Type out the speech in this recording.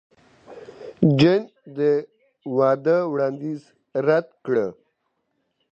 جین د واده وړاندیز رد کړ.